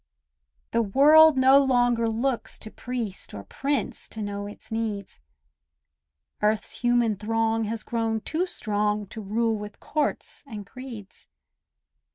The world no longer looks to priest Or prince to know its needs; Earth's human throng has grown too strong To rule with courts and creeds.